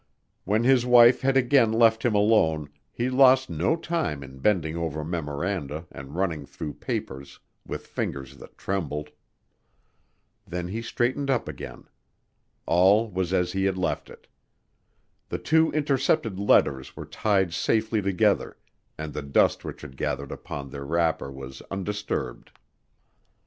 When his wife had again left him alone he lost no time in bending over memoranda and running through papers with fingers that trembled. Then he straightened up again. All was as he had left it. The two intercepted letters were tied safely together and the dust which had gathered upon their wrapper was undisturbed.